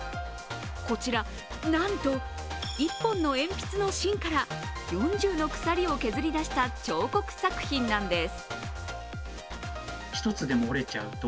こちら、なんと、１本の鉛筆の芯から４０の鎖を削り出した彫刻作品なんです。